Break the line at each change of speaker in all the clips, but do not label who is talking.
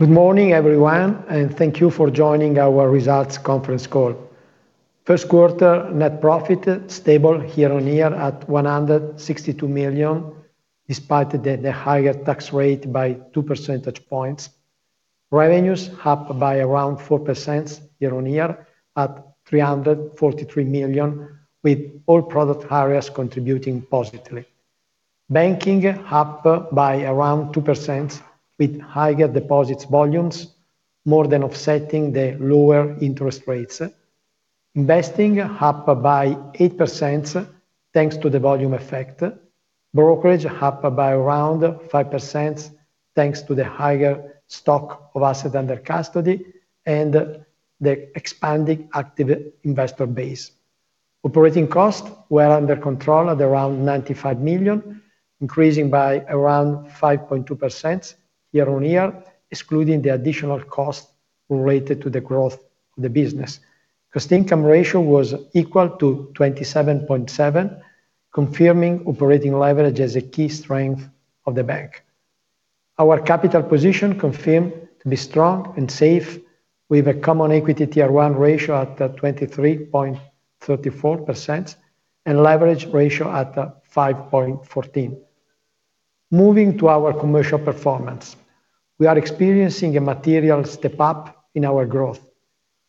Good morning, everyone, and thank you for joining our results conference call. First quarter net profit stable year-on-year at 162 million, despite the higher tax rate by two percentage points. Revenues up by around 4% year-on-year at 343 million, with all product areas contributing positively. Banking up by around 2% with higher deposits volumes, more than offsetting the lower interest rates. Investing up by around 8% thanks to the volume effect. Brokerage up by around 5% thanks to the higher stock of Asset under Custody and the expanding active investor base. Operating costs were under control at around 95 million, increasing by around 5.2% year-on-year, excluding the additional cost related to the growth of the business. Cost-income ratio was equal to 27.7%, confirming operating leverage as a key strength of the bank. Our capital position confirmed to be strong and safe, with a Common Equity Tier 1 ratio at 23.34% and leverage ratio at 5.14%. Moving to our commercial performance. We are experiencing a material step up in our growth.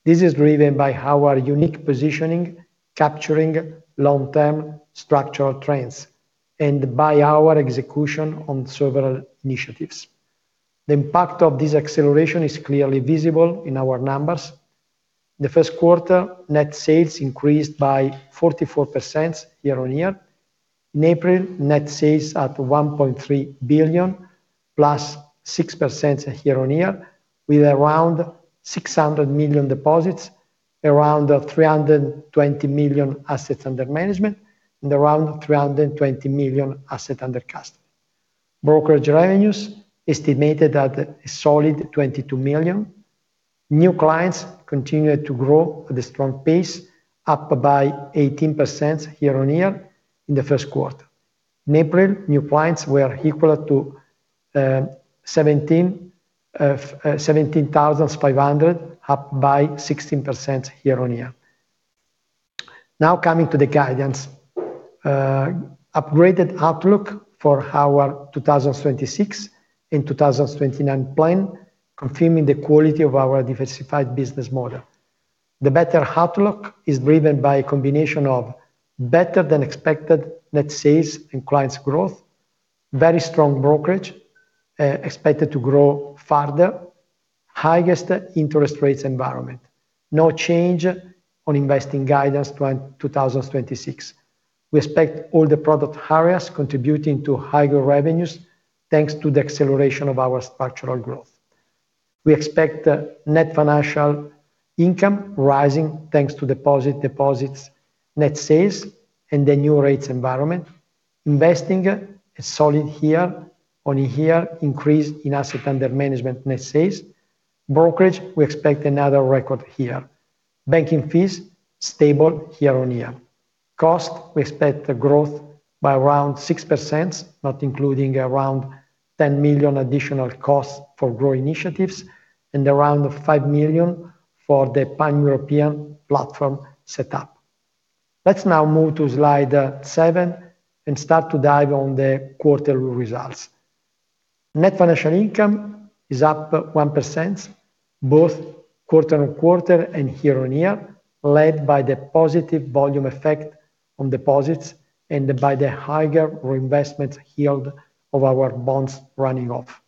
This is driven by our unique positioning, capturing long-term structural trends and by our execution on several initiatives. The impact of this acceleration is clearly visible in our numbers. The first quarter net sales increased by 44% year-on-year. In April, net sales at 1.3 billion, +6% year-on-year, with around 600 million deposits, around 320 million assets under management, and around 320 million Asset under Custody. Brokerage revenues estimated at a solid 22 million. New clients continued to grow at a strong pace, up by 18% year-on-year in the first quarter. In April, new clients were equal to 17,500, up by 16% year-on-year. Now coming to the guidance. Upgraded outlook for our 2026 and 2029 plan, confirming the quality of our diversified business model. The better outlook is driven by a combination of better than expected net sales and clients growth, very strong brokerage, expected to grow further, highest interest rates environment. No change on investing guidance 2026. We expect all the product areas contributing to higher revenues, thanks to the acceleration of our structural growth. We expect net financial income rising, thanks to deposits net sales and the new rates environment. Investing a solid year-over-year increase in Assets Under Management net sales. Brokerage, we expect another record year. Banking fees stable year-over-year. Cost, we expect a growth by around 6%, not including around 10 million additional costs for growth initiatives and around 5 million for the Pan-European platform set up. Let's now move to slide seven and start to dive on the quarter results. Net financial income is up 1%, both quarter-on-quarter and year-over-year, led by the positive volume effect on deposits and by the higher reinvestment yield of our bonds running off.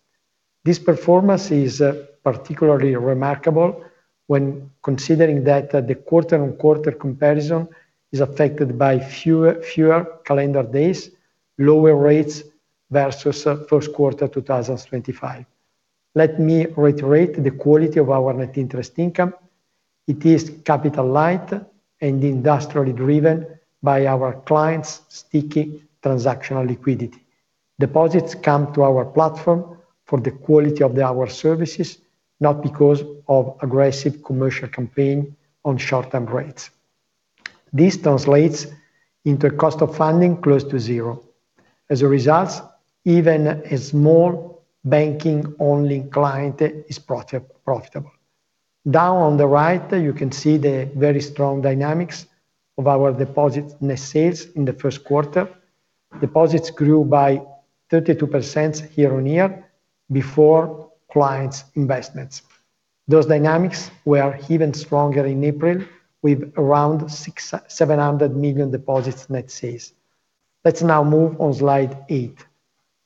This performance is particularly remarkable when considering that the quarter-on-quarter comparison is affected by fewer calendar days, lower rates versus first quarter 2025. Let me reiterate the quality of our net interest income. It is capital light and industrially driven by our clients sticky transactional liquidity. Deposits come to our platform for the quality of our services, not because of aggressive commercial campaign on short-term rates. This translates into cost of funding close to zero. As a result, even a small banking-only client is profitable. Down on the right, you can see the very strong dynamics of our deposit net sales in the first quarter. Deposits grew by 32% year-on-year before clients investments. Those dynamics were even stronger in April, with around 700 million deposits net sales. Let's now move on slide eight.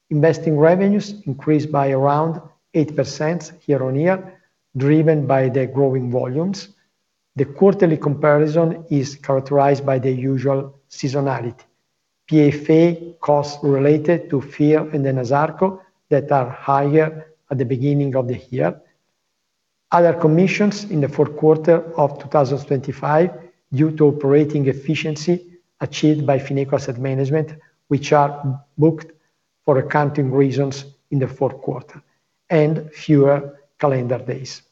Investing revenues increased by around 8% year-on-year, driven by the growing volumes. The quarterly comparison is characterized by the usual seasonality. PFA costs related to FIRR and then Enasarco that are higher at the beginning of the year. Other commissions in the fourth quarter of 2025 due to operating efficiency achieved by Fineco Asset Management, which are booked for accounting reasons in the fourth quarter, and fewer calendar days.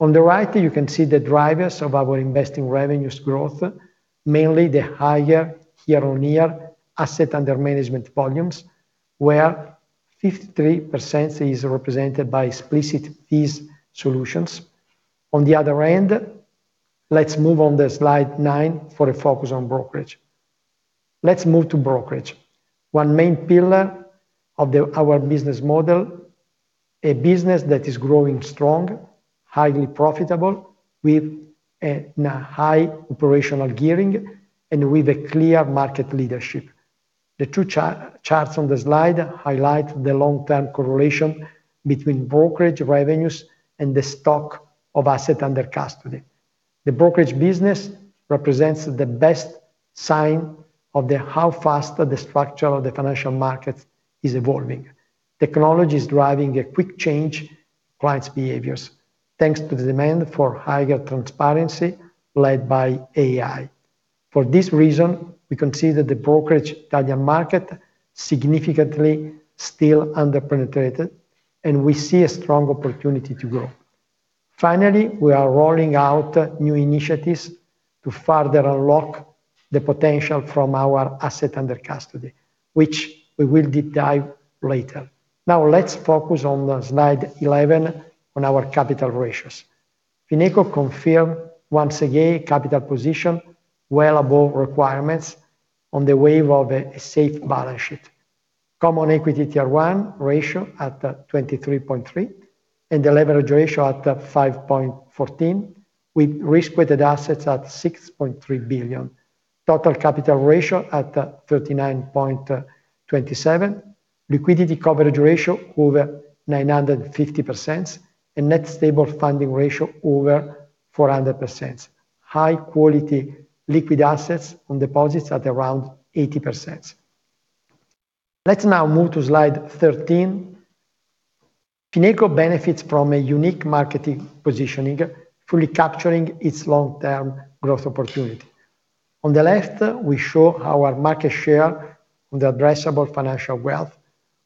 On the right, you can see the drivers of our investing revenues growth, mainly the higher year-on-year Asset Under Management volumes, where 53% is represented by explicit fees solutions. On the other end, let's move on to slide nine for a focus on brokerage. Let's move to brokerage. One main pillar of our business model, a business that is growing strong, highly profitable with a high operational gearing and with a clear market leadership. The two charts on the slide highlight the long-term correlation between brokerage revenues and the stock of Asset under Custody. The brokerage business represents the best sign of the how fast the structure of the financial market is evolving. Technology is driving a quick change clients behaviors, thanks to the demand for higher transparency led by AI. For this reason, we consider the brokerage Italian market significantly still under-penetrated, and we see a strong opportunity to grow. We are rolling out new initiatives to further unlock the potential from our Asset under Custody, which we will deep dive later. Now, let's focus on slide 11 on our capital ratios. Fineco confirm once again capital position well above requirements on the wave of a safe balance sheet. Common Equity Tier 1 ratio at 23.3%, and the leverage ratio at 5.14%, with risk-weighted assets at 6.3 billion. Total capital ratio at 39.27%. Liquidity coverage ratio over 950%, and Net Stable Funding Ratio over 400%. High quality liquid assets on deposits at around 80%. Let's now move to slide 13. Fineco benefits from a unique marketing positioning, fully capturing its long-term growth opportunity. On the left, we show our market share on the addressable financial wealth,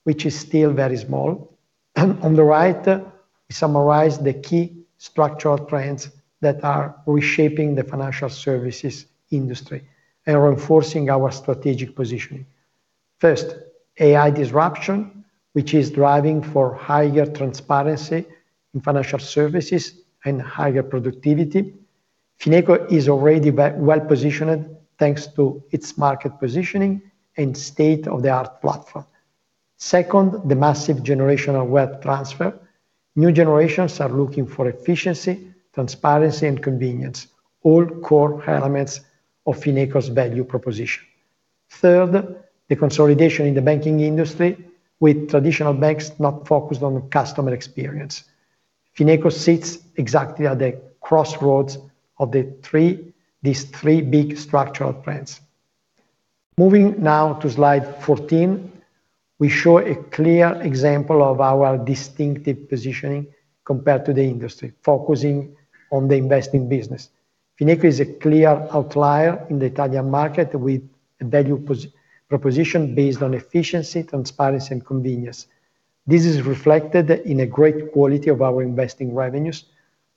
which is still very small. On the right, we summarize the key structural trends that are reshaping the financial services industry and reinforcing our strategic positioning. First, AI disruption, which is driving for higher transparency in financial services and higher productivity. Fineco is already well positioned thanks to its market positioning and state-of-the-art platform. Second, the massive generational wealth transfer. New generations are looking for efficiency, transparency, and convenience, all core elements of Fineco's value proposition. Third, the consolidation in the banking industry with traditional banks not focused on customer experience. Fineco sits exactly at the crossroads of these three big structural trends. Moving now to slide 14, we show a clear example of our distinctive positioning compared to the industry, focusing on the investing business. Fineco is a clear outlier in the Italian market with a value proposition based on efficiency, transparency, and convenience. This is reflected in a great quality of our investing revenues.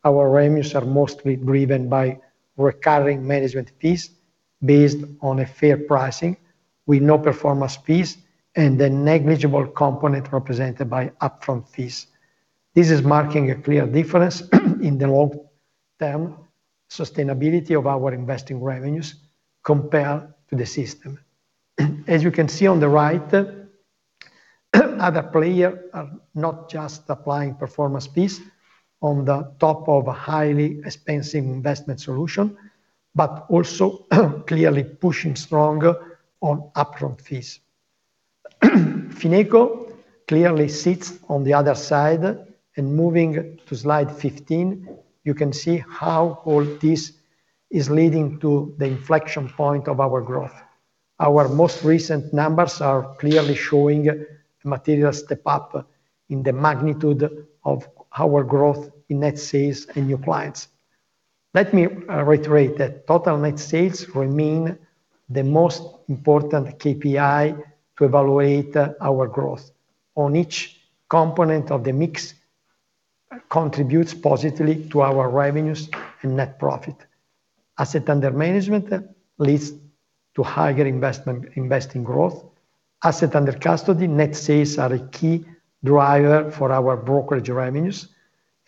Our revenues are mostly driven by recurring management fees based on a fair pricing with no performance fees and a negligible component represented by upfront fees. This is marking a clear difference in the long-term sustainability of our investing revenues compared to the system. As you can see on the right, other player are not just applying performance fees on the top of a highly expensive investment solution, but also clearly pushing stronger on upfront fees. Fineco clearly sits on the other side. Moving to slide 15, you can see how all this is leading to the inflection point of our growth. Our most recent numbers are clearly showing a material step up in the magnitude of our growth in net sales and new clients. Let me reiterate that total net sales remain the most important KPI to evaluate our growth on each component of the mix contributes positively to our revenues and net profit. Asset Under Management leads to higher investment, investing growth. Asset under Custody net sales are a key driver for our brokerage revenues.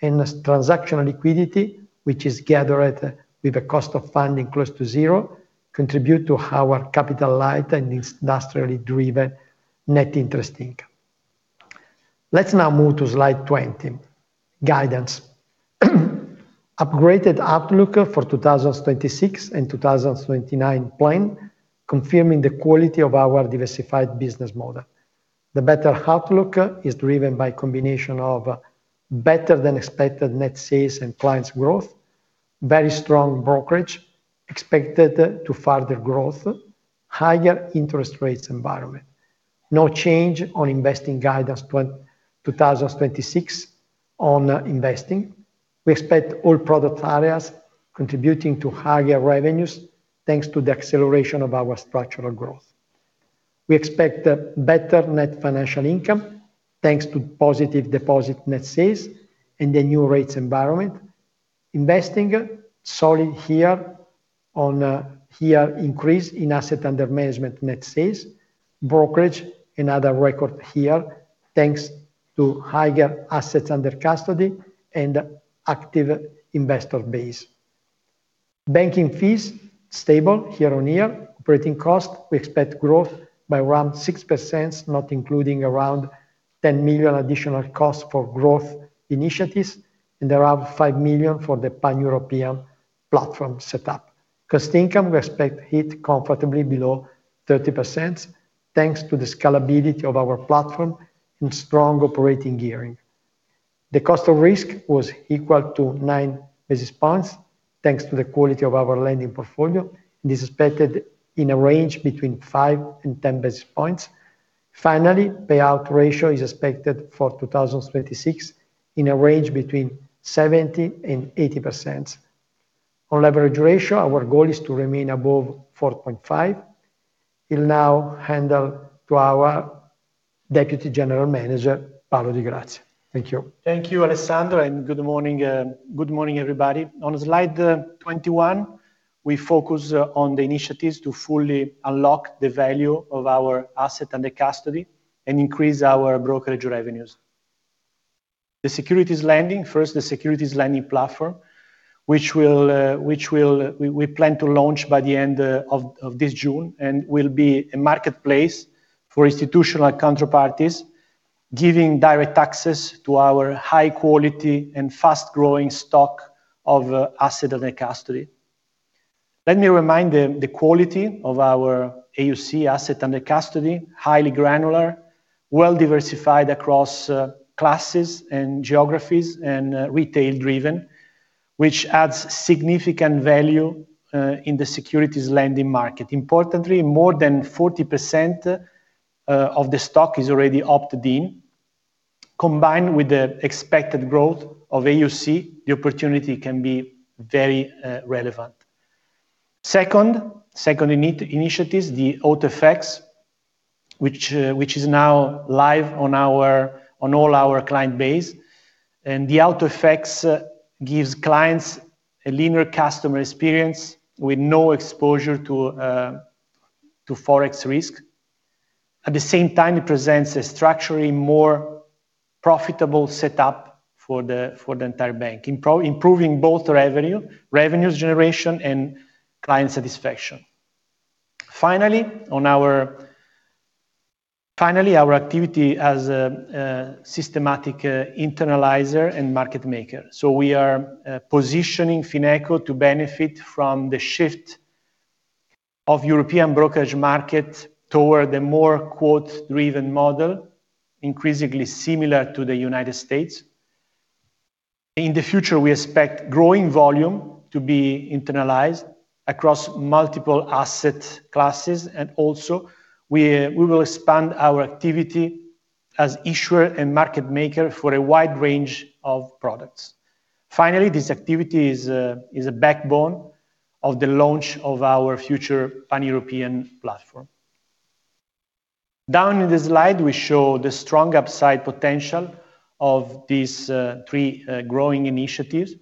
Transaction liquidity, which is gathered with a cost of funding close to 0, contribute to our capital light and industrially driven net interest income. Let's now move to slide 20, guidance. Upgraded outlook for 2026 and 2029 plan confirming the quality of our diversified business model. The better outlook is driven by a combination of better than expected net sales and clients growth, very strong brokerage expected to further growth, higher interest rates environment. No change on investing guidance 2026 on investing. We expect all product areas contributing to higher revenues, thanks to the acceleration of our structural growth. We expect a better net financial income thanks to positive deposit net sales in the new rates environment. Investing solid year-over-year increase in asset under management net sales. Brokerage, another record year, thanks to higher assets under custody and active investor base. Banking fees stable year-over-year. Operating cost, we expect growth by around 6%, not including around 10 million additional costs for growth initiatives and around 5 million for the Pan-European platform set up. Cost income, we expect it comfortably below 30%, thanks to the scalability of our platform and strong operating gearing. The cost of risk was equal to 9 basis points, thanks to the quality of our lending portfolio, and is expected in a range between 5 and 10 basis points. Finally, payout ratio is expected for 2026 in a range between 70% and 80%. On leverage ratio, our goal is to remain above 4.5. I'll now hand over to our Deputy General Manager, Paolo Di Grazia. Thank you.
Thank you, Alessandro, and good morning, everybody. On slide 21, we focus on the initiatives to fully unlock the value of our Asset under Custody and increase our brokerage revenues. First, the securities lending platform, which we plan to launch by the end of this June and will be a marketplace for institutional counterparties, giving direct access to our high quality and fast-growing stock of Asset under Custody. Let me remind the quality of our AUC, Asset under Custody, highly granular, well-diversified across classes and geographies and retail-driven, which adds significant value in the securities lending market. Importantly, more than 40% of the stock is already opted in. Combined with the expected growth of AUC, the opportunity can be very relevant. Second initiatives, the Auto-FX, which is now live on all our client base. The Auto-FX gives clients a linear customer experience with no exposure to Forex risk. At the same time, it presents a structurally more profitable setup for the entire bank, improving both revenues generation and client satisfaction. Finally, our activity as a systematic internalizer and market maker. We are positioning Fineco to benefit from the shift of European brokerage market toward a more quote-driven model, increasingly similar to the United States. In the future, we expect growing volume to be internalized across multiple asset classes. We will expand our activity as issuer and market maker for a wide range of products. Finally, this activity is a backbone of the launch of our future Pan-European platform. Down in the slide, we show the strong upside potential of these three growing initiatives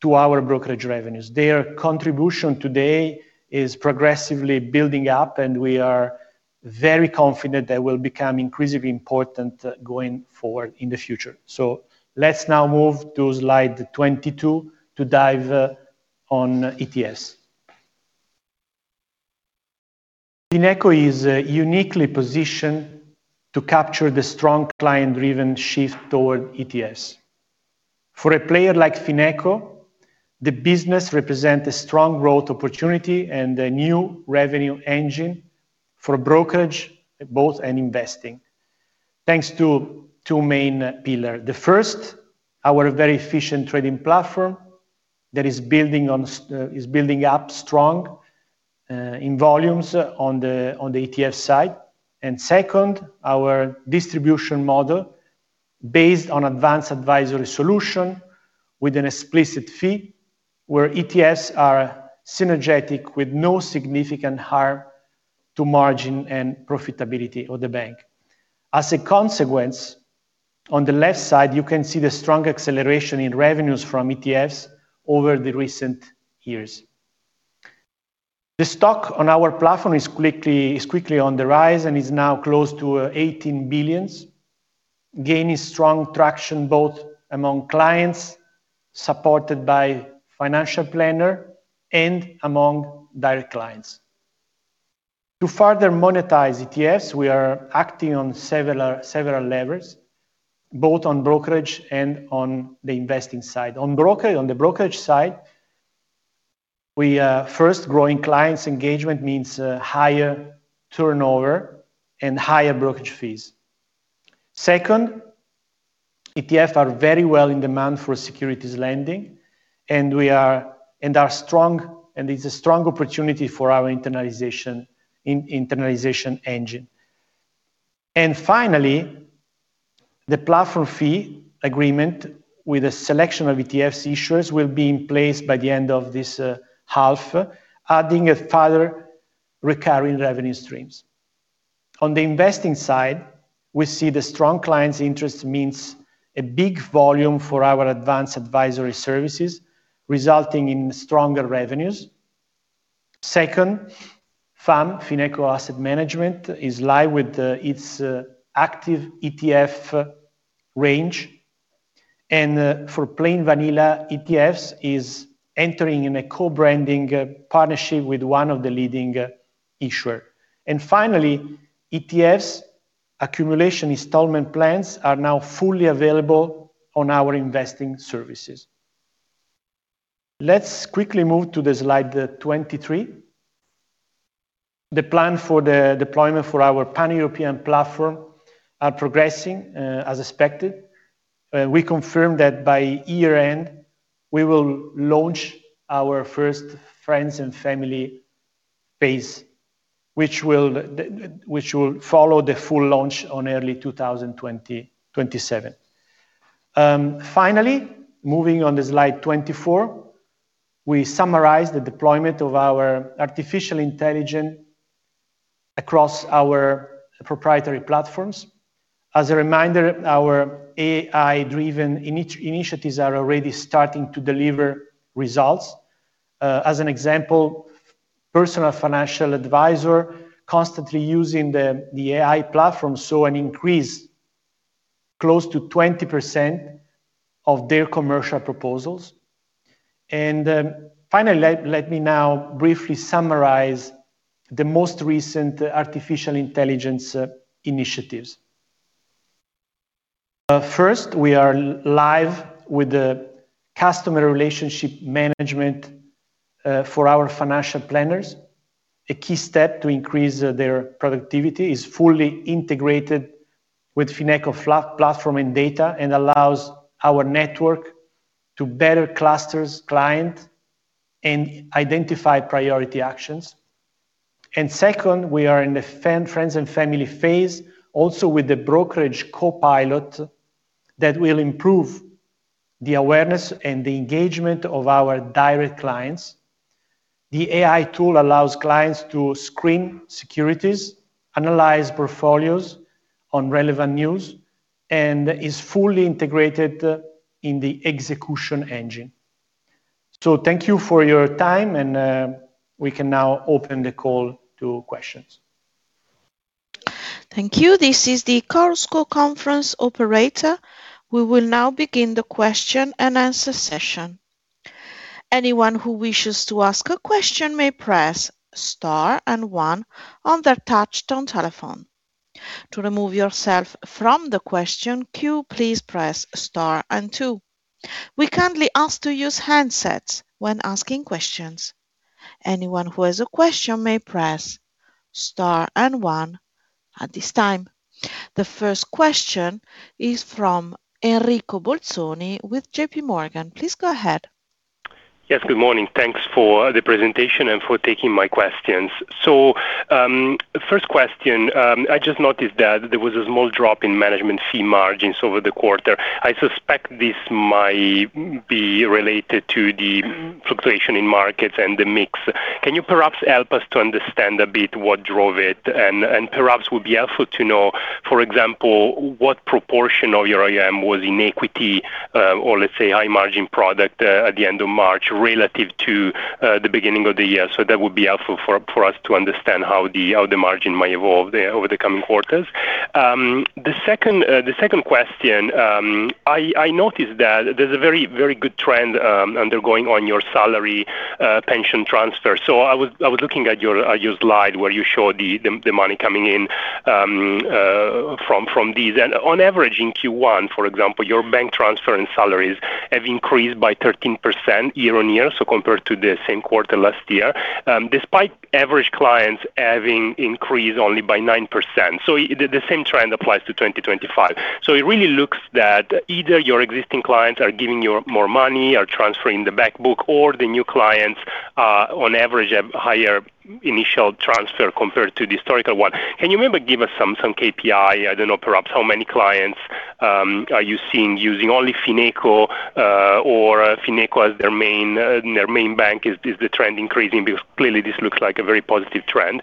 to our brokerage revenues. Their contribution today is progressively building up, and we are very confident they will become increasingly important going forward in the future. Let's now move to slide 22 to dive on ETFs. Fineco is uniquely positioned to capture the strong client-driven shift toward ETFs. For a player like Fineco, the business represent a strong growth opportunity and a new revenue engine for brokerage both and investing, thanks to two main pillar. The first, our very efficient trading platform that is building up strong in volumes on the ETF side. Second, our distribution model based on advanced advisory solution with an explicit fee where ETFs are synergetic with no significant harm to margin and profitability of the bank. As a consequence, on the left side, you can see the strong acceleration in revenues from ETFs over the recent years. The stock on our platform is quickly on the rise and is now close to 18 billion, gaining strong traction both among clients supported by financial planner and among direct clients. To further monetize ETFs, we are acting on several levers, both on brokerage and on the investing side. On the brokerage side, we, first growing clients engagement means higher turnover and higher brokerage fees. Second, ETFs are very well in demand for securities lending, and it's a strong opportunity for our internalization engine. Finally, the platform fee agreement with a selection of ETFs issuers will be in place by the end of this half, adding a further recurring revenue streams. On the investing side, we see the strong clients interest means a big volume for our advanced advisory services, resulting in stronger revenues. Second, FAM, Fineco Asset Management is live with its active ETF range. For plain vanilla ETFs is entering in a co-branding partnership with one of the leading issuer. Finally, ETFs accumulation installment plans are now fully available on our investing services. Let's quickly move to slide 23. The plan for the deployment for our Pan-European platform are progressing as expected. We confirm that by year-end we will launch our first friends and family phase, which will follow the full launch on early 2027. Moving on to slide 24, we summarize the deployment of our artificial intelligence across our proprietary platforms. As a reminder, our AI-driven initiatives are already starting to deliver results. As an example, personal financial advisor constantly using the AI platform saw an increase close to 20% of their commercial proposals. Finally, let me now briefly summarize the most recent artificial intelligence initiatives. First, we are live with the customer relationship management for our financial planners. A key step to increase their productivity is fully integrated with Fineco platform and data, and allows our network to better clusters client and identify priority actions. Second, we are in the friends and family phase, also with the brokerage co-pilot that will improve the awareness and the engagement of our direct clients. The AI tool allows clients to screen securities, analyze portfolios on relevant news, and is fully integrated in the execution engine. Thank you for your time and, we can now open the call to questions.
Thank you. This is the Chorus Call conference operator. We will now begin the question and answer session. Anyone who wishes to ask a question may press star and one on their touch-tone telephone. To remove yourself from the question queue, please press star and two. We kindly ask to use handsets when asking questions. Anyone who has a question may press star and one at this time. The first question is from Enrico Bolzoni with JPMorgan. Please go ahead.
Yes, good morning. Thanks for the presentation and for taking my questions. First question, I just noticed that there was a small drop in management fee margins over the quarter. I suspect this might be related to the fluctuation in markets and the mix. Can you perhaps help us to understand a bit what drove it? Perhaps would be helpful to know, for example, what proportion of your AUM was in equity, or let's say high margin product, at the end of March relative to the beginning of the year. That would be helpful for us to understand how the margin might evolve there over the coming quarters. The second question, I noticed that there's a very good trend undergoing on your salary, pension transfer. I was looking at your slide where you showed the money coming in from these. On average, in Q1, for example, your bank transfer and salaries have increased by 13% year-on-year, so compared to the same quarter last year, despite average clients having increased only by 9%. The same trend applies to 2025. It really looks that either your existing clients are giving you more money or transferring the back book or the new clients, on average have higher initial transfer compared to the historical one. Can you maybe give us some KPI? I don't know, perhaps how many clients are you seeing using only Fineco or Fineco as their main, their main bank? Is the trend increasing? Because clearly this looks like a very positive trend.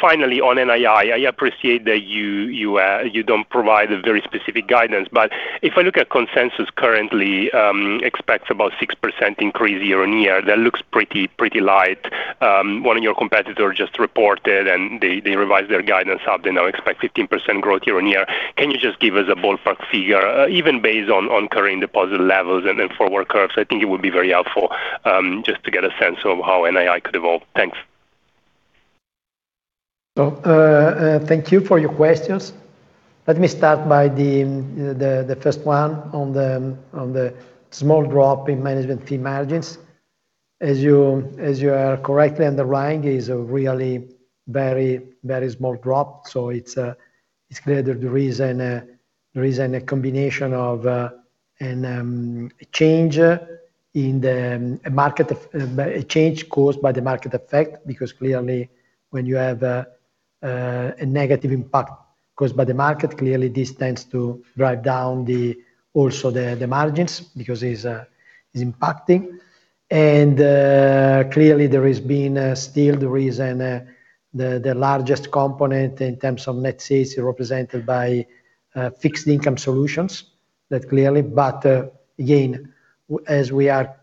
Finally on NII, I appreciate that you don't provide a very specific guidance, but if I look at consensus currently, expects about 6% increase year-on-year, that looks pretty light. One of your competitors just reported and they revised their guidance up. They now expect 15% growth year-on-year. Can you just give us a ballpark figure, even based on current deposit levels and forward curves? I think it would be very helpful, just to get a sense of how NII could evolve. Thanks.
Thank you for your questions. Let me start by the first one on the small drop in management fee margins. As you are correctly underlying, it is a really very small drop. It's clear that the reason a combination of- A change in the market, a change caused by the market effect because clearly when you have a negative impact caused by the market, clearly this tends to drive down the, also the margins because it's impacting. Clearly there has been still the reason the largest component in terms of net sales represented by fixed income solutions. That clearly. Again, as we are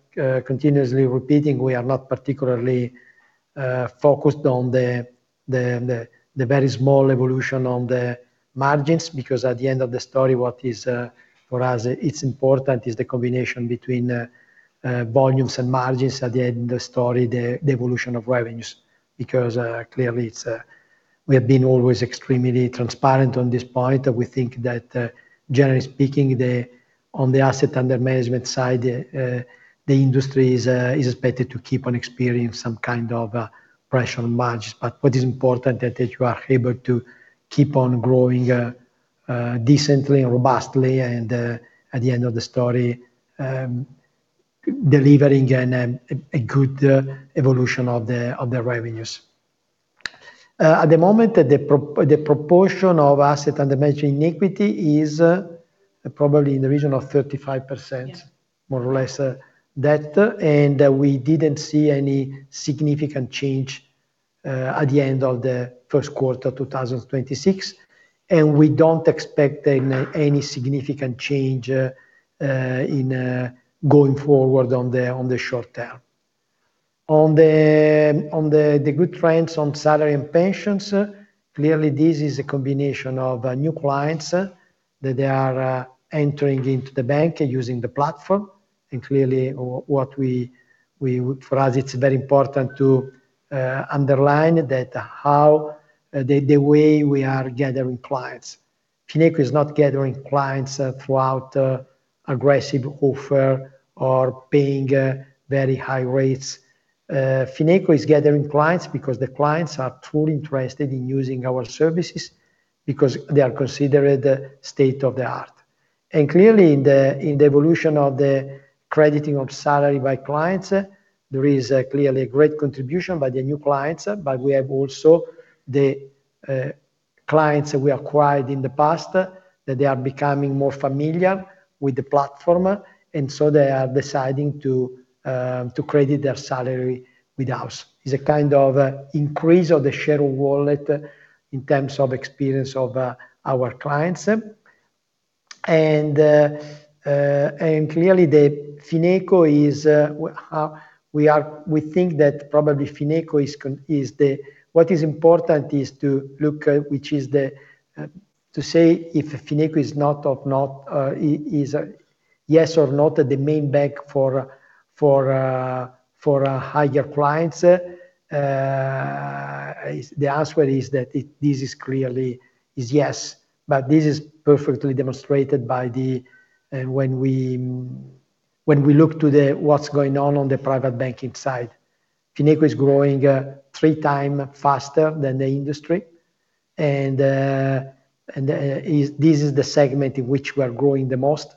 continuously repeating, we are not particularly focused on the very small evolution on the margins because at the end of the story, what is for us important is the combination between volumes and margins at the end of the story, the evolution of revenues. Clearly it's, we have been always extremely transparent on this point, that we think that, generally speaking, the, on the asset under management side, the industry is expected to keep on experience some kind of a pressure on margins. What is important that you are able to keep on growing decently and robustly and, at the end of the story, delivering an a good evolution of the, of the revenues. At the moment, the proportion of Asset Under Management in equity is probably in the region of 35%.
Yeah.
More or less, that. We didn't see any significant change at the end of the first quarter 2026. We don't expect any significant change in going forward on the short term. On the good trends on salary and pensions, clearly this is a combination of new clients that they are entering into the bank using the platform. Clearly, for us, it's very important to underline how the way we are gathering clients. Fineco is not gathering clients throughout aggressive offer or paying very high rates. Fineco is gathering clients because the clients are truly interested in using our services because they are considered state-of-the-art. Clearly in the, in the evolution of the crediting of salary by clients, there is clearly a great contribution by the new clients, but we have also the clients we acquired in the past, that they are becoming more familiar with the platform, they are deciding to credit their salary with us. It's a kind of increase of the share of wallet in terms of experience of our clients. Clearly, we think that probably Fineco is. What is important is to look at which is the to say if Fineco is not or not, is yes or not the main bank for our higher clients. The answer is that this is clearly yes. This is perfectly demonstrated by the when we look to the what's going on on the private banking side. Fineco is growing 3x faster than the industry. This is the segment in which we are growing the most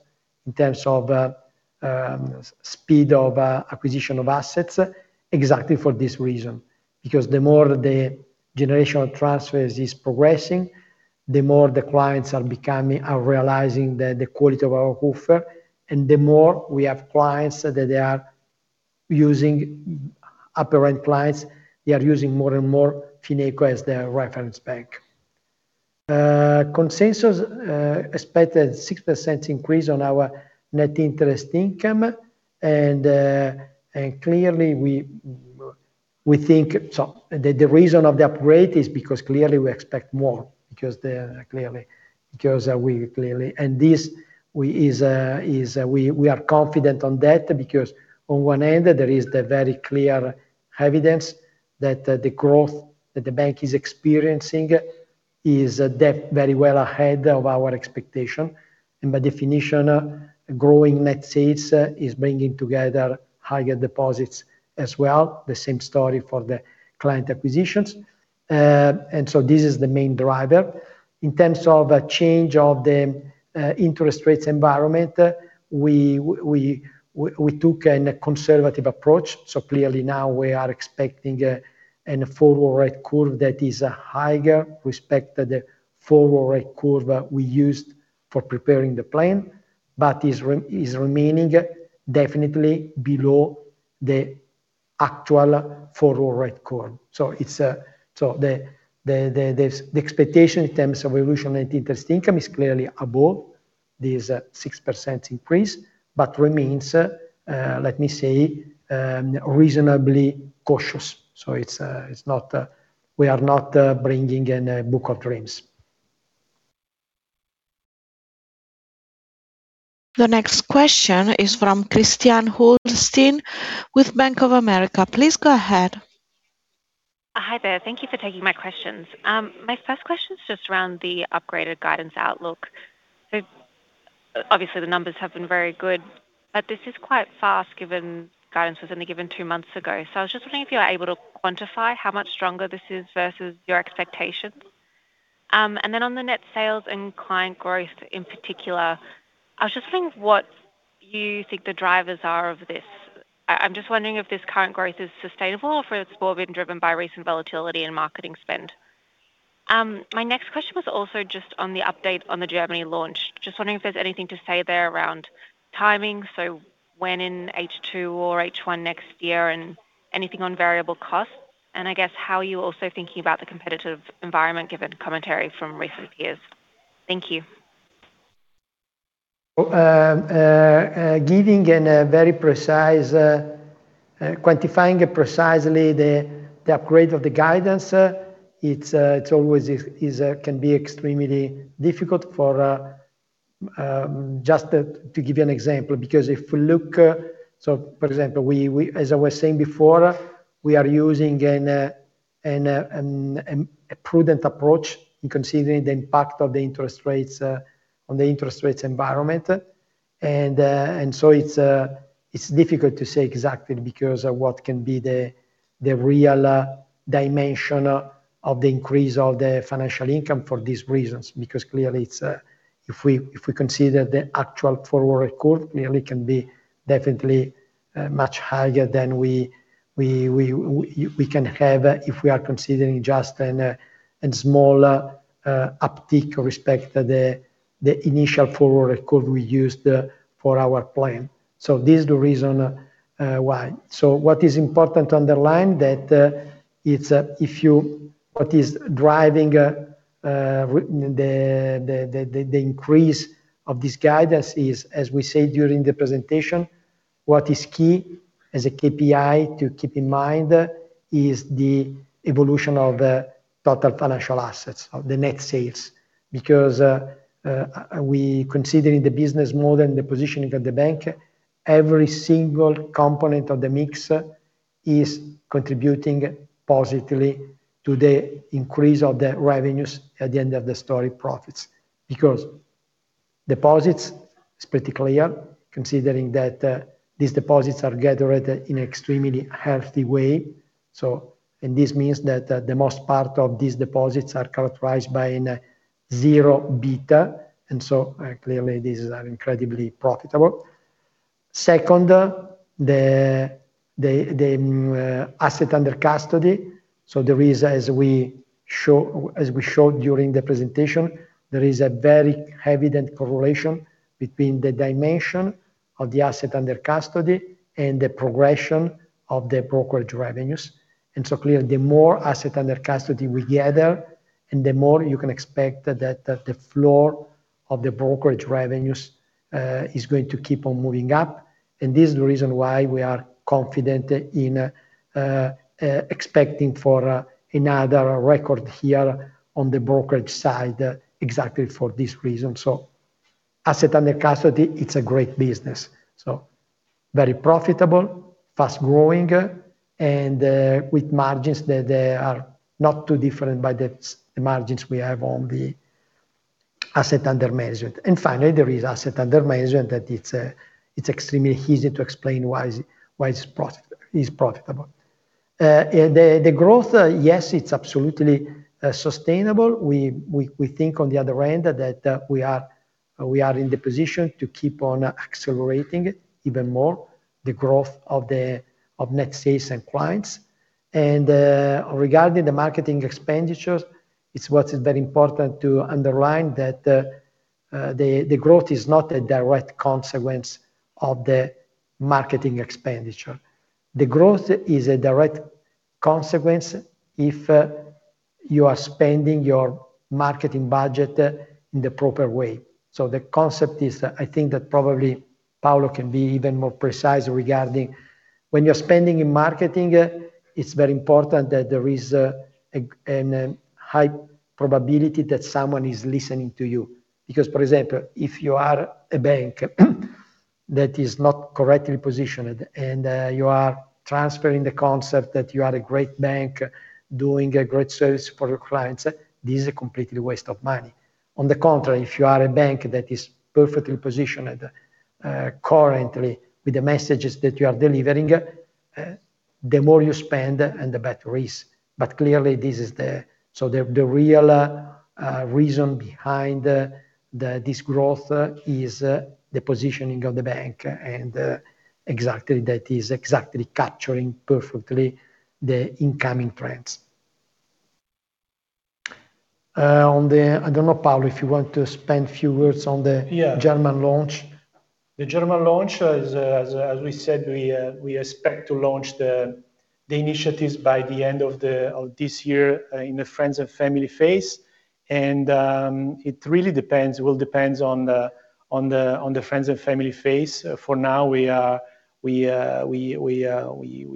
in terms of speed of acquisition of assets exactly for this reason. The more the generational transfers is progressing, the more the clients are becoming, are realizing the quality of our offer, and the more we have clients that they are using, upper end clients, they are using more and more Fineco as their reference bank. Consensus expected 6% increase on our net interest income. Clearly we think the reason of the upgrade is because clearly we expect more, because we clearly. This we are confident on that because on one end, there is the very clear evidence that the growth that the bank is experiencing is very well ahead of our expectation. By definition, growing net sales is bringing together higher deposits as well. The same story for the client acquisitions. This is the main driver. In terms of a change of the interest rates environment, we took a conservative approach. Clearly now we are expecting a forward rate curve that is higher respect to the forward rate curve we used for preparing the plan, but is remaining definitely below the actual forward rate curve. It's, so the expectation in terms of evolution net interest income is clearly above this 6% increase, but remains, let me say, reasonably cautious. It's, it's not, we are not bringing in a book of dreams.
The next question is from Christiane Holstein with Bank of America. Please go ahead.
Hi there. Thank you for taking my questions. My first question is around the upgraded guidance outlook. Obviously the numbers have been very good, but this is quite fast given guidance was only given two months ago. I was wondering if you are able to quantify how much stronger this is versus your expectations? On the net sales and client growth in particular, I was thinking of what you think the drivers are of this. I'm wondering if this current growth is sustainable or if it's more been driven by recent volatility in marketing spend. My next question was also on the update on the Germany launch. Wondering if there's anything to say there around timing, when in H2 or H1 next year and anything on variable costs. I guess how are you also thinking about the competitive environment given commentary from recent peers? Thank you.
Giving a very precise, quantifying it precisely the upgrade of the guidance, it's always is can be extremely difficult to give you an example. Because if we look. For example, as I was saying before, we are using a prudent approach in considering the impact of the interest rates on the interest rates environment. It's difficult to say exactly because of what can be the real dimension of the increase of the financial income for these reasons. Because clearly it's, if we, if we consider the actual forward record, clearly it can be definitely much higher than we can have, if we are considering just an small uptick with respect to the initial forward record we used for our plan. This is the reason why. What is important to underline that it's what is driving the increase of this guidance is, as we said during the presentation, what is key as a KPI to keep in mind is the evolution of the Total Financial Assets of the net sales. We considering the business more than the positioning of the bank, every single component of the mix is contributing positively to the increase of the revenues at the end of the story profits. Deposits is pretty clear considering that, these deposits are gathered in extremely healthy way. This means that, the most part of these deposits are characterized by an zero beta, and so, clearly these are incredibly profitable. Second, the Asset under Custody. The reason as we showed during the presentation, there is a very evident correlation between the dimension of the Asset under Custody and the progression of the brokerage revenues. Clearly, the more Asset under Custody we gather, the more you can expect that the floor of the brokerage revenues is going to keep on moving up. This is the reason why we are confident in expecting for another record here on the brokerage side exactly for this reason. Asset under Custody, it's a great business. Very profitable, fast-growing, and with margins that they are not too different by the margins we have on the asset under management. Finally, there is Asset Under Management that it's extremely easy to explain why it's profitable. The growth, yes, it's absolutely sustainable. We think on the other end that we are in the position to keep on accelerating even more the growth of net sales and clients. Regarding the marketing expenditures, it's what is very important to underline that the growth is not a direct consequence of the marketing expenditure. The growth is a direct consequence if you are spending your marketing budget in the proper way. The concept is, I think that probably Paolo can be even more precise regarding when you're spending in marketing, it's very important that there is a high probability that someone is listening to you. For example, if you are a bank that is not correctly positioned, and you are transferring the concept that you are a great bank doing a great service for your clients, this is a complete waste of money. If you are a bank that is perfectly positioned, currently with the messages that you are delivering, the more you spend and the better it is. Clearly this is the real reason behind this growth is the positioning of the bank and exactly that is exactly capturing perfectly the incoming trends. On the I don't know, Paolo, if you want to spend a few words on the-
Yeah.
German launch.
The German launch as we said, we expect to launch the initiatives by the end of this year in the Friends and Family phase. It really depends. Will depends on the friends and family phase. For now, we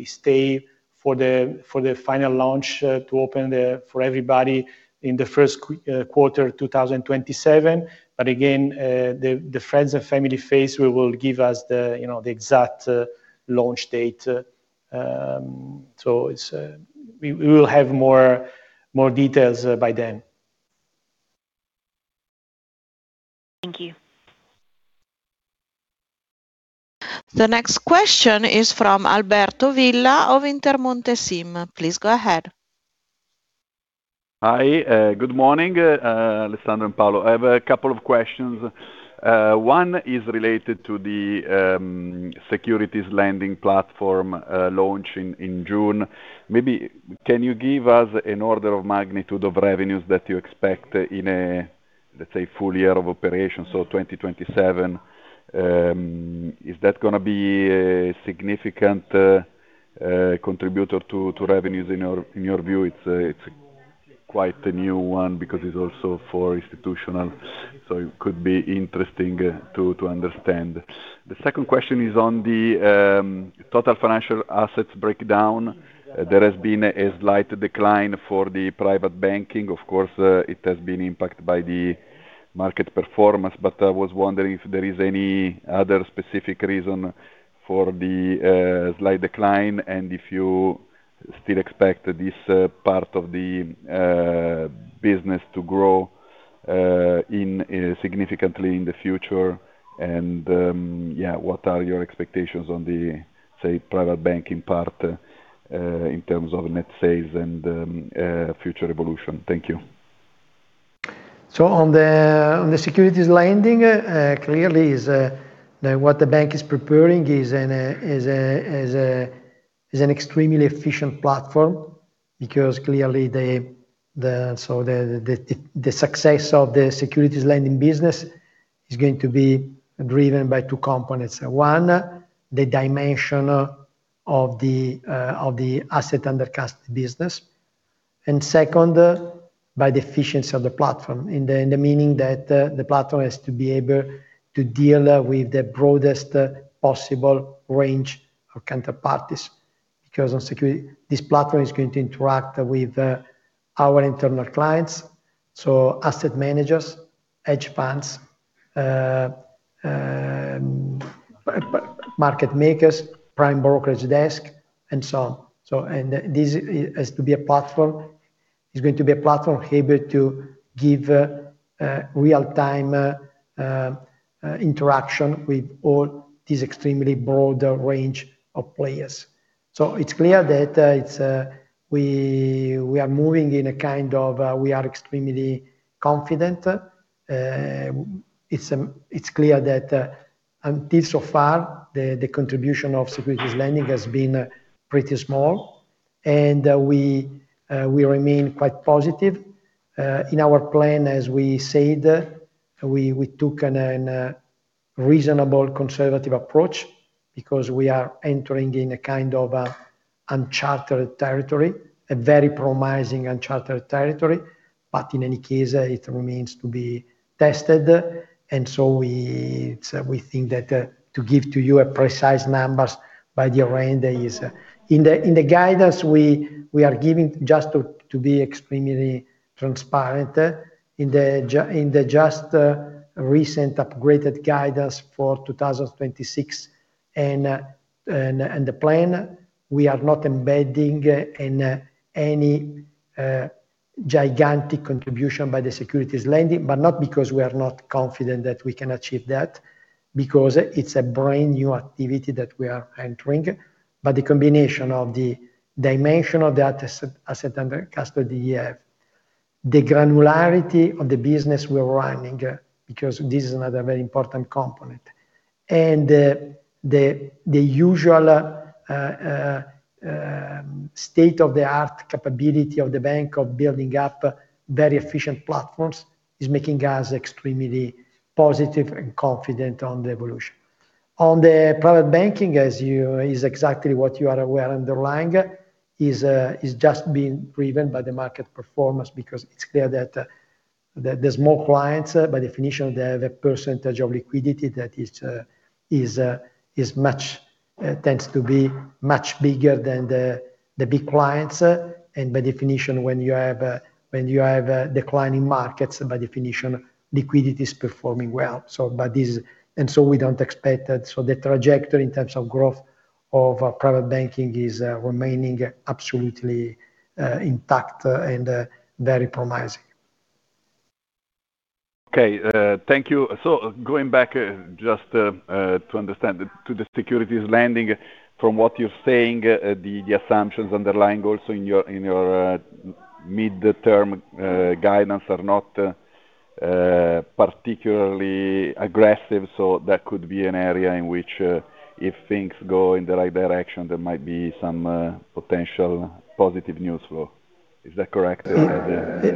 stay for the final launch to open the for everybody in the first quarter of 2027. Again, the friends and family phase will give us, you know, the exact launch date. It's, we will have more details by then.
Thank you.
The next question is from Alberto Villa from Intermonte SIM. Please go ahead.
Hi. Good morning, Alessandro and Paolo. I have a couple of questions. One is related to the securities lending platform launch in June. Maybe can you give us an order of magnitude of revenues that you expect in a, let's say, full year of operation, so 2027? Is that gonna be a significant contributor to revenues in your view? It's a, it's quite a new one because it's also for institutional, so it could be interesting to understand. The second question is on the Total Financial Assets breakdown. There has been a slight decline for the private banking. Of course, it has been impacted by the market performance, but I was wondering if there is any other specific reason for the slight decline, and if you still expect this part of the business to grow significantly in the future. Yeah, what are your expectations on the, say, private banking part in terms of net sales and future evolution? Thank you.
On the securities lending, clearly what the bank is preparing is an extremely efficient platform because clearly the success of the securities lending business is going to be driven by two components. One, the dimension of the Asset under Custody business, and second, by the efficiency of the platform. In the end, meaning that the platform has to be able to deal with the broadest possible range of counterparties. On security, this platform is going to interact with our internal clients, so asset managers, hedge funds, market makers, prime brokerage desk, and so on. This has to be a platform, is going to be a platform able to give real-time interaction with all these extremely broad range of players. It's clear that we are moving in a kind of, we are extremely confident. It's clear that until so far, the contribution of securities lending has been pretty small, and we remain quite positive. In our plan, as we said, we took a reasonable conservative approach because we are entering in a kind of an unchartered territory, a very promising unchartered territory. In any case, it remains to be tested. We think that, to give to you precise numbers by the end is in the guidance we are giving just to be extremely transparent, in the just recent upgraded guidance for 2026 and the plan, we are not embedding any gigantic contribution by the securities lending, but not because we are not confident that we can achieve that, because it's a brand-new activity that we are entering. The combination of the dimension of the Asset under Custody we have, the granularity of the business we're running, because this is another very important component, and the usual state-of-the-art capability of the bank of building up very efficient platforms is making us extremely positive and confident on the evolution. On the private banking, as you is exactly what you are aware underlying, is just being driven by the market performance because it's clear that there's more clients. By definition, the percentage of liquidity that tends to be much bigger than the big clients. By definition, when you have a decline in markets, by definition, liquidity is performing well. We don't expect that. The trajectory in terms of growth of our private banking is remaining absolutely intact and very promising.
Okay. Thank you. Going back just to understand to the securities lending, from what you are saying, the assumptions underlying also in your, in your midterm guidance are not particularly aggressive. That could be an area in which, if things go in the right direction, there might be some potential positive news flow. Is that correct?
It,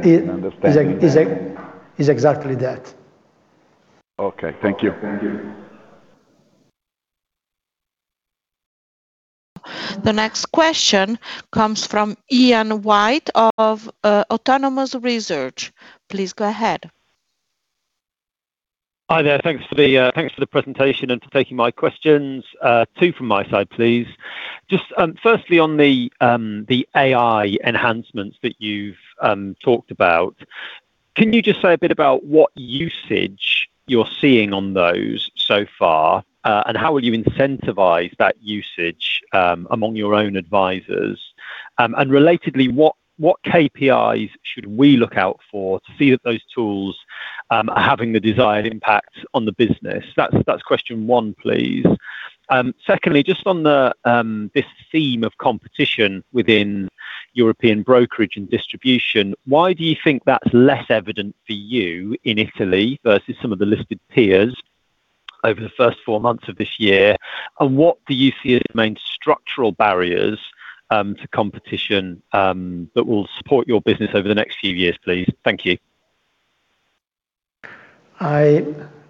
it-
Understanding that.
is exactly that.
Okay. Thank you.
The next question comes from Ian White of Autonomous Research. Please go ahead.
Hi there. Thanks for the presentation and for taking my questions. Two from my side, please. Firstly on the AI enhancements that you've talked about, can you just say a bit about what usage you're seeing on those so far, and how will you incentivize that usage among your own advisors? Relatedly, what KPIs should we look out for to see that those tools are having the desired impact on the business? That's question one, please. Secondly, just on the theme of competition within European brokerage and distribution, why do you think that's less evident for you in Italy versus some of the listed peers over the first four months of this year? What do you see as the main structural barriers, to competition, that will support your business over the next few years, please? Thank you.
I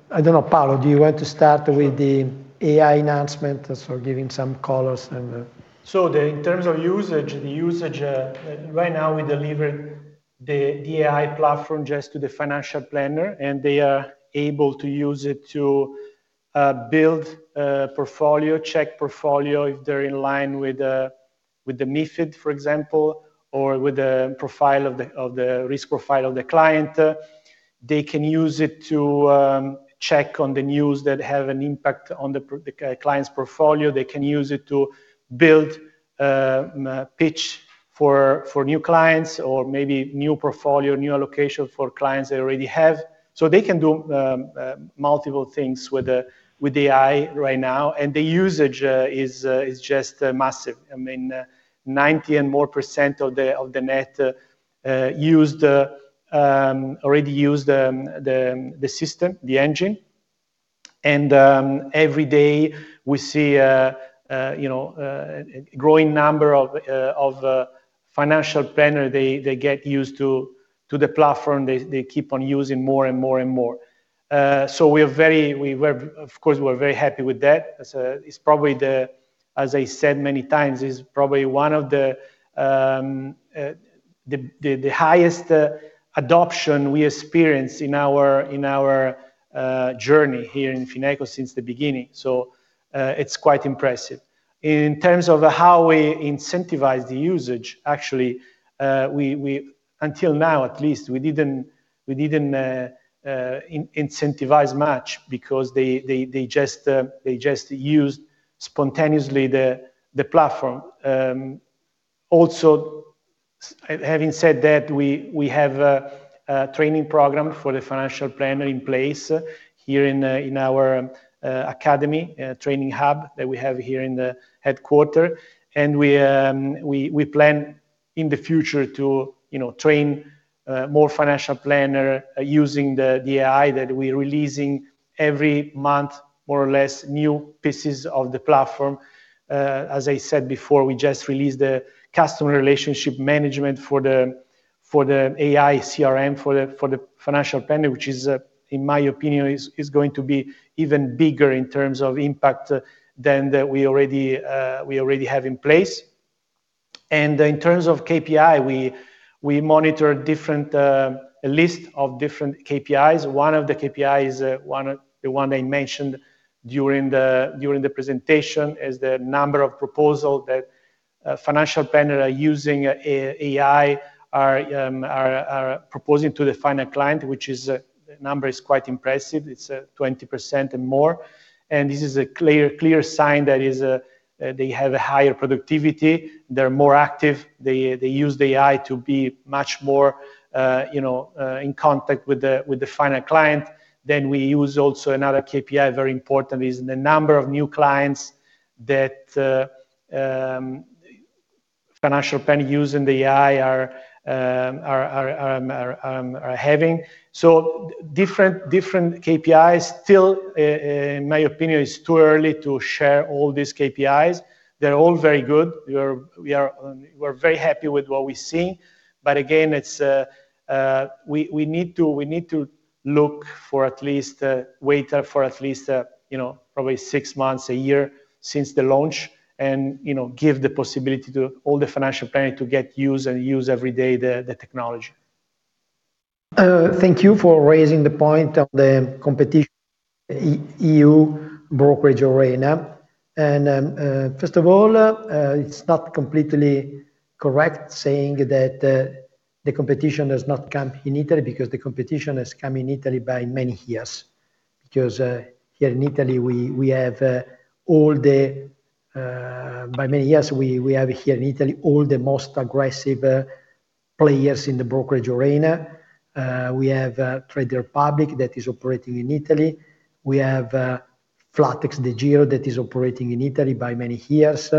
don't know, Paolo, do you want to start with the AI announcement? As for giving some colors and.
In terms of usage, the usage right now we deliver the AI platform just to the financial planner, and they are able to use it to build a portfolio, check portfolio if they're in line with the MiFID, for example, or with the risk profile of the client. They can use it to check on the news that have an impact on the client's portfolio. They can use it to build a pitch for new clients or maybe new portfolio, new allocation for clients they already have. They can do multiple things with the AI right now, and the usage is just massive. 90% and more of the net used already used the system, the engine. Every day we see a growing number of financial planner. They get used to the platform. They keep on using more and more and more. We were, of course, we're very happy with that. It's probably the, as I said many times, is probably one of the highest adoption we experience in our journey here in Fineco since the beginning. It's quite impressive. In terms of how we incentivize the usage, actually, until now, at least, we didn't incentivize much because they just used spontaneously the platform. Also, having said that, we have a training program for the financial planner in place here in our academy training hub that we have here in the headquarters. We plan in the future to, you know, train more financial planner using the AI that we're releasing every month, more or less, new pieces of the platform. As I said before, we just released the customer relationship management for the AI CRM, for the financial planner, which is in my opinion, is going to be even bigger in terms of impact than that we already have in place. In terms of KPI, we monitor different a list of different KPIs. One of the KPIs, one, the one I mentioned during the during the presentation is the number of proposal that financial planner are using AI are proposing to the final client, which is the number is quite impressive. It's 20% and more. This is a clear sign that is they have a higher productivity. They're more active. They use the AI to be much more, you know, in contact with the final client. We use also another KPI, very important, is the number of new clients that financial planner using the AI are having. Different KPIs. Still, in my opinion, it's too early to share all these KPIs. They're all very good. We are very happy with what we see. Again, it's we need to wait for at least, you know, probably six months, one year since the launch and, you know, give the possibility to all the financial planner to get used and use every day the technology.
Thank you for raising the point of the competition E.U. brokerage arena. First of all, it's not completely correct saying that the competition has not come in Italy because the competition has come in Italy by many years. Here in Italy, by many years, we have here in Italy all the most aggressive players in the brokerage arena. We have Trade Republic that is operating in Italy. We have flatexDEGIRO that is operating in Italy by many years.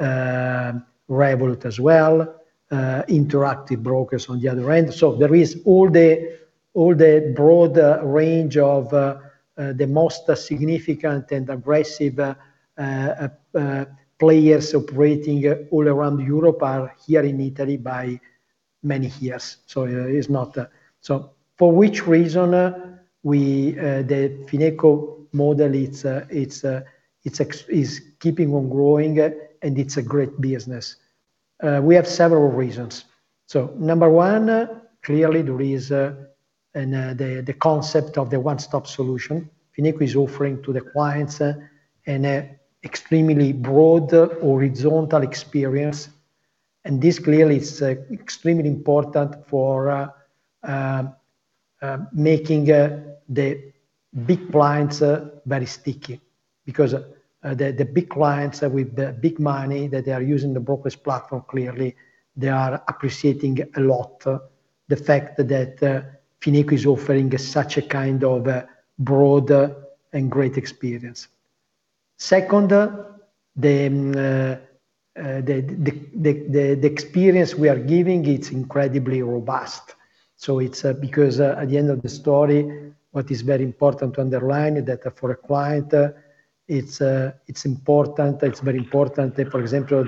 Revolut as well. Interactive Brokers on the other end. There is all the broad range of the most significant and aggressive players operating all around Europe are here in Italy by many years. It's not for which reason are we the Fineco model, it's keeping on growing, and it's a great business. We have several reasons. Number one, clearly there is the concept of the one-stop solution. Fineco is offering to the clients an extremely broad horizontal experience, and this clearly is extremely important for making the big clients very sticky because the big clients with the big money that they are using the brokers platform, clearly they are appreciating a lot the fact that Fineco is offering such a kind of a broad and great experience. Second, the experience we are giving, it's incredibly robust. It's because at the end of the story what is very important to underline is that for a client it's important it's very important for example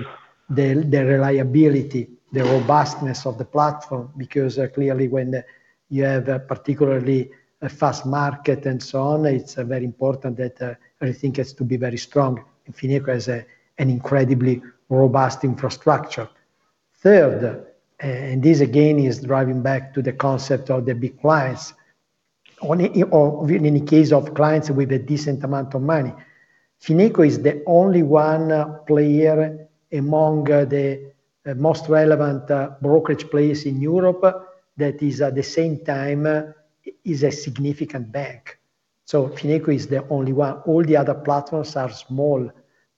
the reliability the robustness of the platform because clearly when you have particularly fast market and so on it's very important that everything has to be very strong and Fineco has an incredibly robust infrastructure. Third and this again is driving back to the concept of the big clients only or in case of clients with a decent amount of money Fineco is the only one player among the most relevant brokerage players in Europe that at the same time is a significant bank. Fineco is the only one. All the other platforms are small.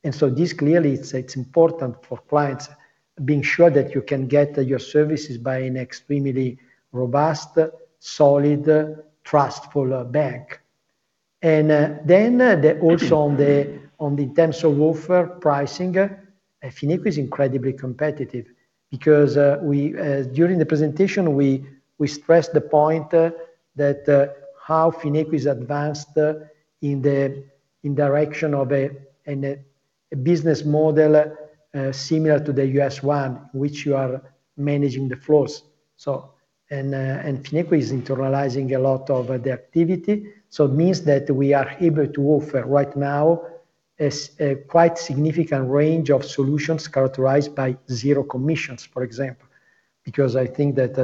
This clearly it's important for clients being sure that you can get your services by an extremely robust, solid, trustful bank. Also on the terms of offer pricing, Fineco is incredibly competitive because we during the presentation, we stressed the point that how Fineco is advanced in the direction of a business model similar to the U.S. one, which you are managing the flows. Fineco is internalizing a lot of the activity. It means that we are able to offer right now a quite significant range of solutions characterized by zero commissions, for example. I think that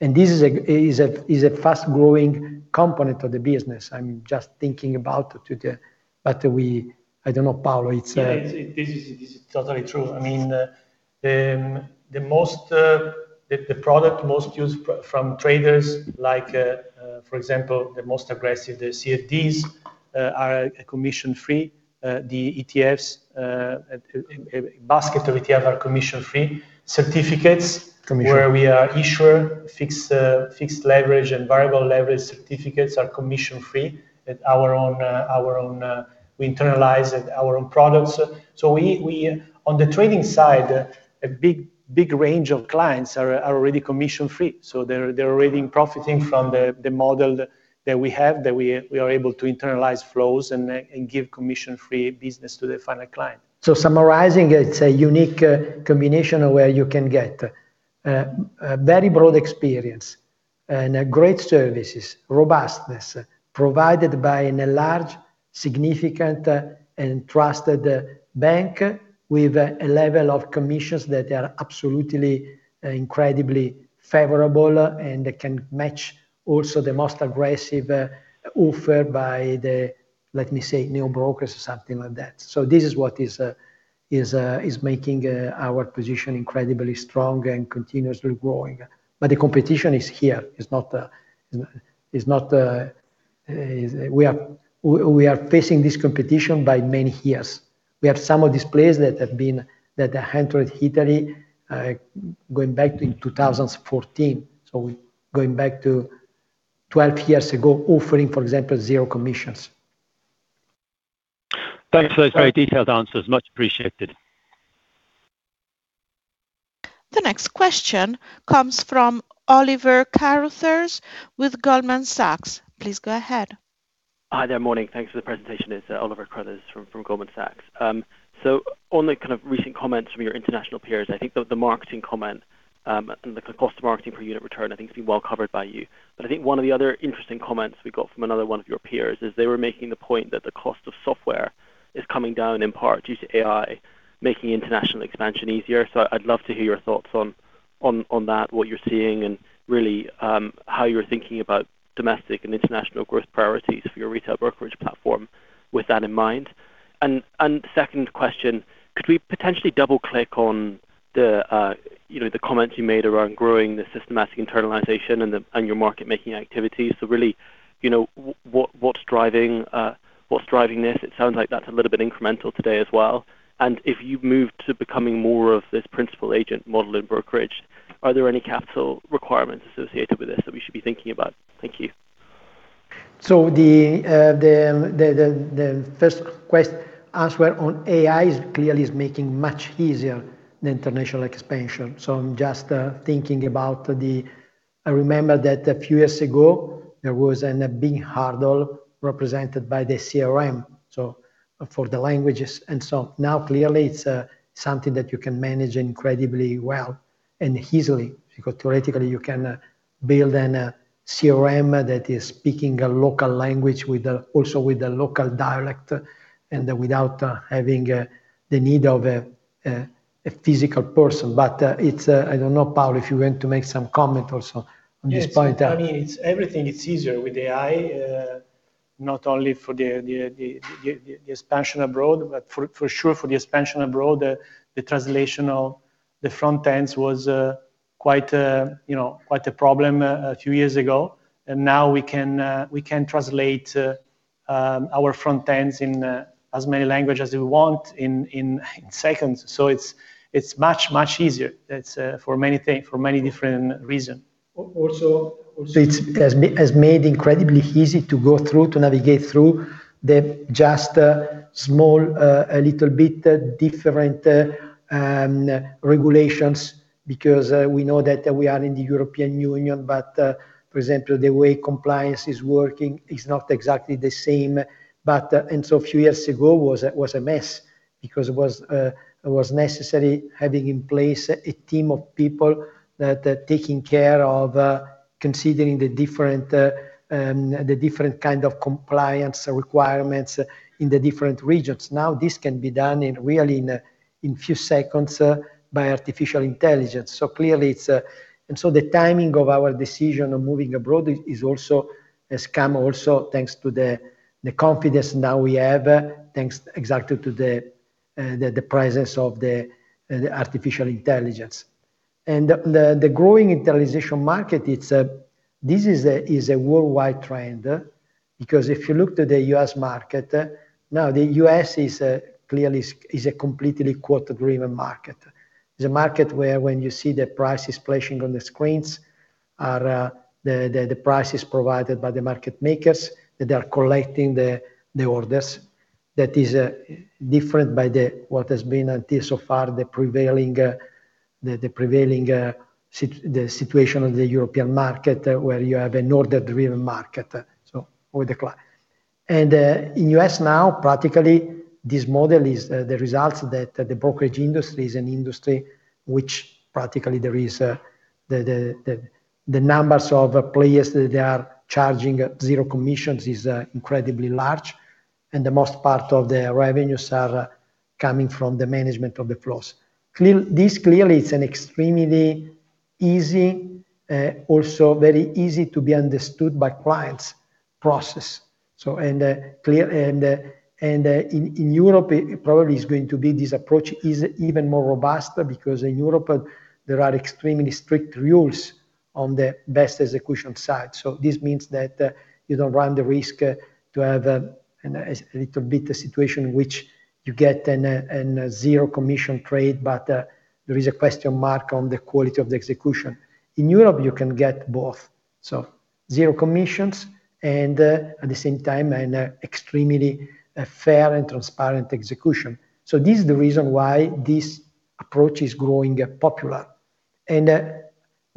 this is a fast-growing component of the business. I'm just thinking about it today. I don't know, Paolo, it's.
Yeah. This is totally true. I mean, the product most used from traders like, for example, the most aggressive, the CFDs, are commission-free. The ETFs, a basket of ETF are commission-free. Certificates.
Commission.
Where we are issuer, fixed leverage and variable Leverage Certificates are commission-free. Our own, we internalize our own products. We on the trading side, a big range of clients are already commission-free. They're already profiting from the model that we have, that we are able to internalize flows and give commission-free business to the final client.
Summarizing, it's a unique combination where you can get a very broad experience and great services, robustness provided by a large, significant, and trusted bank with a level of commissions that are absolutely incredibly favorable and can match also the most aggressive offer by the, let me say, new brokers or something like that. This is what is making our position incredibly strong and continuously growing. The competition is here. It's not. We are facing this competition by many years. We have some of these players that entered Italy going back to 2014. Going back to 12 years ago, offering, for example, zero commissions.
Thanks for those very detailed answers. Much appreciated.
The next question comes from Oliver Carruthers with Goldman Sachs. Please go ahead.
Hi there. Morning. Thanks for the presentation. It's Oliver Carruthers from Goldman Sachs. On the kind of recent comments from your international peers, I think the marketing comment, and the cost of marketing per unit return I think has been well covered by you. I think one of the other interesting comments we got from another one of your peers is they were making the point that the cost of software is coming down in part due to AI making international expansion easier. I'd love to hear your thoughts on that, what you're seeing and really, how you're thinking about domestic and international growth priorities for your retail brokerage platform with that in mind. Second question, could we potentially double-click on the, you know, the comments you made around growing the systematic internalization and the, and your market making activities? Really, you know, what's driving, what's driving this? It sounds like that's a little bit incremental today as well. If you've moved to becoming more of this principal agent model in brokerage, are there any capital requirements associated with this that we should be thinking about? Thank you.
The first answer on AI is clearly making much easier the international expansion. I'm just thinking about the I remember that a few years ago, there was a big hurdle represented by the CRM, for the languages. Now clearly it's something that you can manage incredibly well and easily, because theoretically you can build a CRM that is speaking a local language with also with a local dialect and without having the need of a physical person. It's, I don't know, Paolo, if you want to make some comment also on this point.
Yes. I mean, it's everything it's easier with AI. Not only for the expansion abroad, but for sure for the expansion abroad, the translation of the front ends was, you know, quite a problem a few years ago. Now we can translate our front ends in as many languages as we want in seconds. It's much easier. It's for many thing, for many different reason.
Also, it has made incredibly easy to go through, to navigate through the just small, a little bit different regulations because we know that we are in the European Union, but for example, the way compliance is working is not exactly the same. A few years ago was a mess because it was necessary having in place a team of people that taking care of considering the different kind of compliance requirements in the different regions. Now, this can be done in really in a in few seconds by artificial intelligence. The timing of our decision of moving abroad is also, has come also thanks to the confidence now we have, thanks exactly to the presence of the artificial intelligence. The growing internalization market, it's this is a worldwide trend. If you look to the U.S. market, now the U.S. is clearly a completely quote-driven market. It's a market where when you see the prices flashing on the screens are the prices provided by the market makers, that they are collecting the orders. That is different by what has been until so far the prevailing situation of the European market, where you have an order-driven market. In U.S. now, practically, this model is the results that the brokerage industry is an industry which practically there is the numbers of players that they are charging zero commissions is incredibly large, and the most part of the revenues are coming from the management of the flows. This clearly is an extremely easy, also very easy to be understood by clients process. In Europe, it probably is going to be this approach is even more robust because in Europe, there are extremely strict rules on the best execution side. This means that you don't run the risk to have a little bit situation which you get a zero commission trade, but there is a question mark on the quality of the execution. In Europe, you can get both. Zero commissions and at the same time, an extremely fair and transparent execution. This is the reason why this approach is growing popular.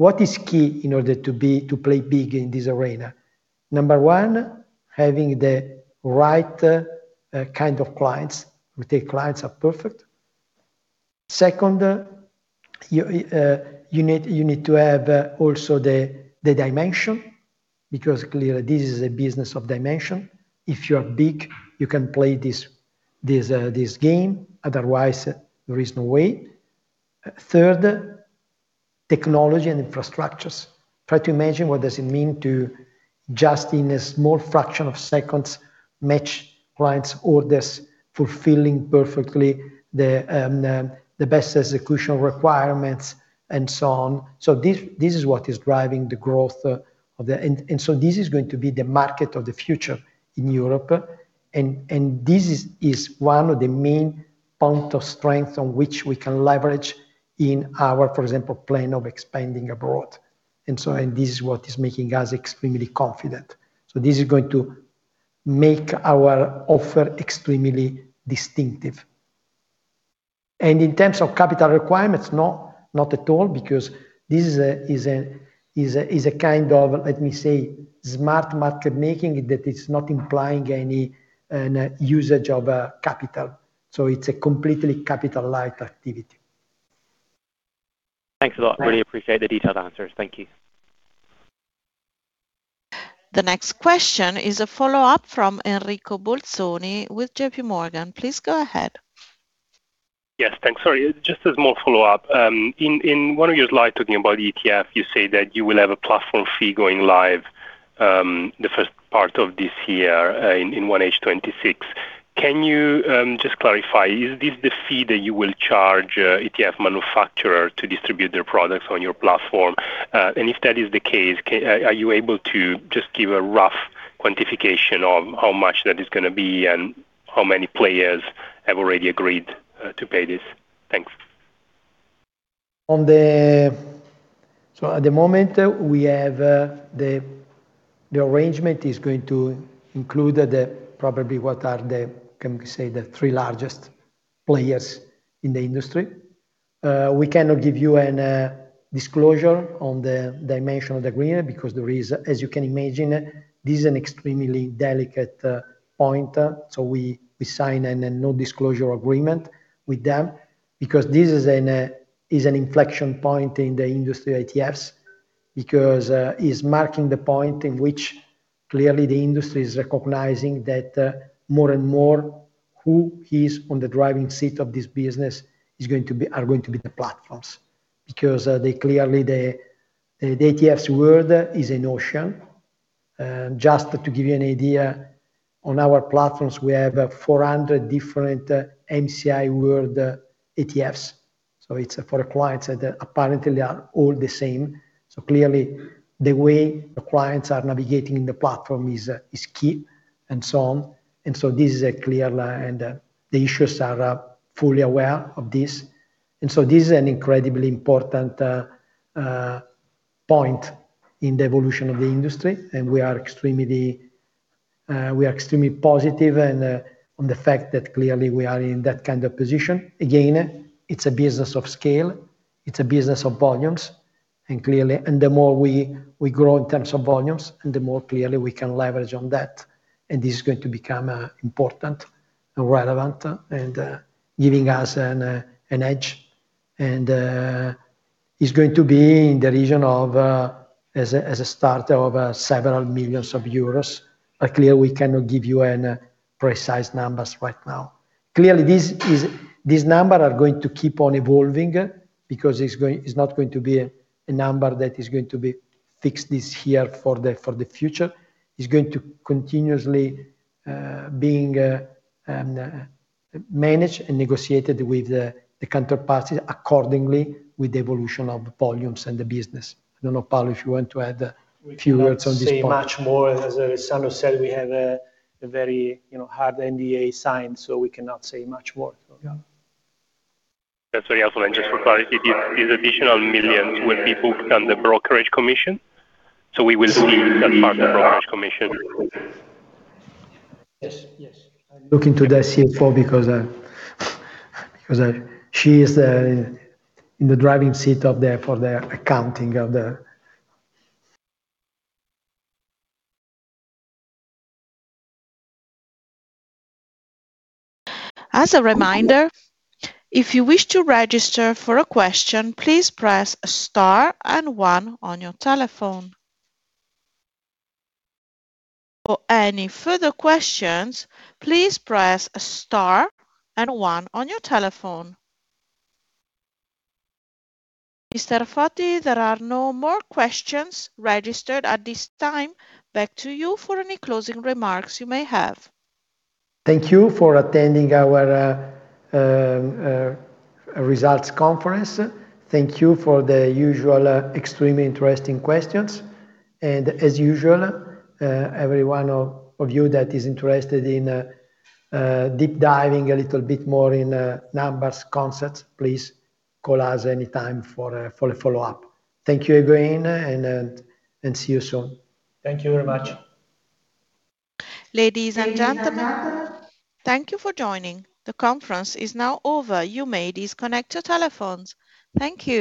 What is key in order to play big in this arena? Number one, having the right kind of clients, retail clients are perfect. Second, you need to have also the dimension, because clearly this is a business of dimension. If you are big, you can play this game. Otherwise, there is no way. Third, technology and infrastructures. Try to imagine what does it mean to just in a small fraction of seconds match clients' orders, fulfilling perfectly the best execution requirements, and so on. This is what is driving the growth. This is going to be the market of the future in Europe. This is one of the main point of strength on which we can leverage in our, for example, plan of expanding abroad. This is what is making us extremely confident. This is going to make our offer extremely distinctive. In terms of capital requirements, no, not at all, because this is a kind of, let me say, smart market making that is not implying any usage of capital. It's a completely capital-light activity.
Thanks a lot. Really appreciate the detailed answers. Thank you.
The next question is a follow-up from Enrico Bolzoni with JPMorgan. Please go ahead.
Yes. Thanks. Sorry, just a small follow-up. In one of your slides talking about ETF, you say that you will have a platform fee going live the first part of this year, in 1H 2026. Can you just clarify, is this the fee that you will charge ETF manufacturer to distribute their products on your platform? If that is the case, are you able to just give a rough quantification of how much that is gonna be and how many players have already agreed to pay this? Thanks.
At the moment, we have the arrangement is going to include the, probably what are the, can we say, the three largest players in the industry. We cannot give you a disclosure on the dimension of the agreement because there is, as you can imagine, this is an extremely delicate point. We sign a no-disclosure agreement with them because this is an inflection point in the industry ETFs because it's marking the point in which clearly the industry is recognizing that more and more who is on the driving seat of this business are going to be the platforms. They clearly the ETFs world is an ocean. Just to give you an idea, on our platforms, we have 400 different MSCI World ETFs. It's for the clients that apparently are all the same. Clearly the way the clients are navigating the platform is key and so on. This is a clear line that the issuers are fully aware of this. This is an incredibly important point in the evolution of the industry, and we are extremely positive and on the fact that clearly we are in that kind of position. Again, it's a business of scale, it's a business of volumes. Clearly the more we grow in terms of volumes, and the more clearly we can leverage on that. This is going to become important and relevant and giving us an edge. It's going to be in the region of several million euros. Clear we cannot give you precise numbers right now. Clearly, these numbers are going to keep on evolving because it's not going to be a number that is going to be fixed this year for the future. It's going to continuously be managed and negotiated with the counterparty accordingly with the evolution of the volumes and the business. I don't know, Paolo, if you want to add a few words on this point.
We cannot say much more. As Alessandro said, we have a very, you know, hard NDA signed, we cannot say much more.
That's very helpful. Just for clarity, these additional millions will be booked on the brokerage commission? So we will see that part of the brokerage commission.
Yes. Yes. I am looking to the CFO because she is in the driving seat for the accounting of the.
As a reminder, if you wish to register for a question, please press star and one on your telephone. For any further questions, please press star and one on your telephone. Mr. Foti, there are no more questions registered at this time. Back to you for any closing remarks you may have.
Thank you for attending our results conference. Thank you for the usual, extremely interesting questions. As usual, every one of you that is interested in deep diving a little bit more in numbers, concepts, please call us any time for a follow-up. Thank you again, and see you soon.
Thank you very much.
Ladies and gentlemen, thank you for joining. The conference is now over. You may disconnect your telephones. Thank you.